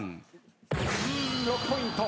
６ポイント。